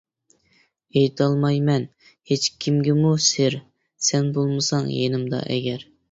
ئېيتالمايمەن ھېچكىمگىمۇ سىر، سەن بولمىساڭ يېنىمدا ئەگەر.